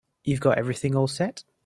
You've got everything all set?